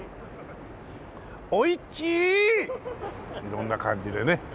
色んな感じでね。